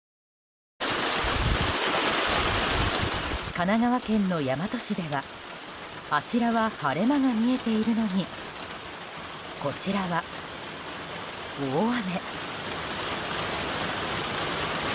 神奈川県の大和市ではあちらは晴れ間が見えているのにこちらは大雨。